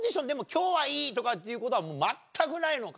今日はいいとかっていうことはもう全くないのか？